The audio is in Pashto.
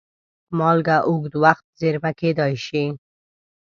مالګه اوږد وخت زېرمه کېدای شي.